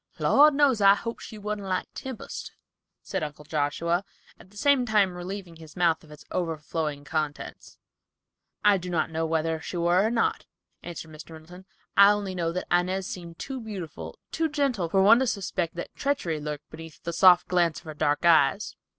"Lord knows, I hope she wan't like Tempest," said Uncle Joshua, at the same time relieving his mouth of its overflowing contents. "I do not know whether she were or not," answered Mr. Middleton, "I only know that Inez seemed too beautiful, too gentle, for one to suspect that treachery lurked beneath the soft glance of her dark eyes.